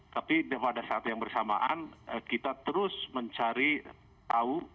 tapi pada saat yang bersamaan kita terus mencari tahu